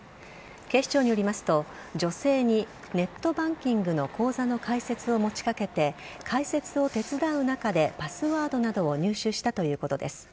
警視庁によりますと女性にネットバンキングの口座の開設を持ちかけて開設を手伝う中でパスワードなどを入手したということです。